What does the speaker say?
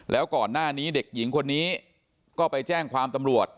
แล้วก่อนหน้านี้เด็กหญิงคนนี้ก็ไปแจ้งความตำรวจ